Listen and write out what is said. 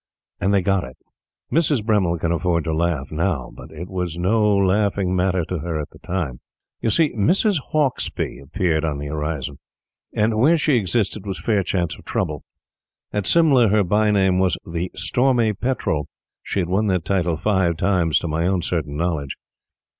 And they got it. Mrs. Bremmil can afford to laugh now, but it was no laughing matter to her at the time. You see, Mrs. Hauksbee appeared on the horizon; and where she existed was fair chance of trouble. At Simla her bye name was the "Stormy Petrel." She had won that title five times to my own certain knowledge.